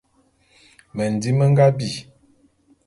Mendim me nga bi.